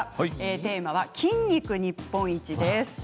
テーマは筋肉日本一です。